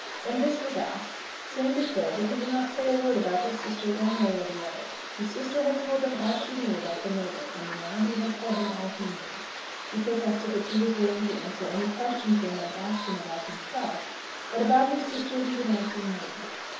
When this was asked Sam declared that he would not say a word about his sister one way or the other. His sister had told them all she knew about the murder, and now he had told them all he knew. He protested that he was willing to answer any questions they might ask him about himself; but about his sister he would answer none.